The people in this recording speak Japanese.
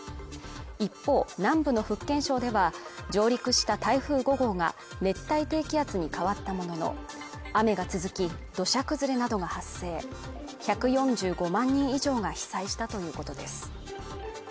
一方南部の福建省では上陸した台風５号が熱帯低気圧に変わったものの雨が続き土砂崩れなどが発生１４５万人以上が被災したということです